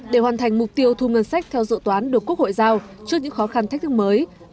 để hoàn thành mục tiêu thu ngân sách theo dự toán được quốc hội giao trước những khó khăn thách thức mới